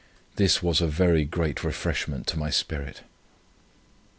This was a very great refreshment to my spirit.